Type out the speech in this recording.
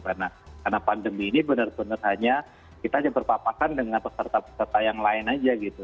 karena pandemi ini benar benar hanya kita aja berpapakan dengan peserta peserta yang lain aja gitu